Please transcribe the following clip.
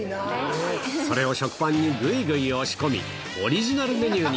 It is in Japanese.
それを食パンにぐいぐい押し込み、オリジナルメニューに。